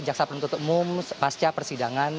jaksa penuntut umum pasca persidangan